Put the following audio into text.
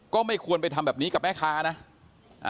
ก็ไม่ควรไปทำแบบนี้กับแม่ค้านะ